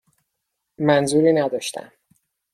منظوری نداشتم.